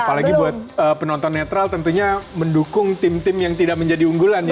apalagi buat penonton netral tentunya mendukung tim tim yang tidak menjadi unggulan ya